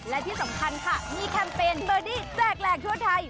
และที่สำคัญค่ะมีแคมเปญเบอร์ดี้แจกแหลกทั่วไทย